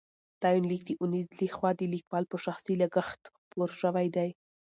دا یونلیک د اونیزې له خوا د لیکوال په شخصي لګښت خپور شوی دی.